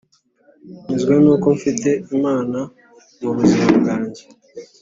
nyuzwe nuko mfite Imana mu buzima bwanjye